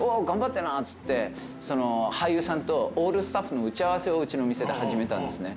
っつって俳優さんとオールスタッフの打ち合わせをうちの店で始めたんですね。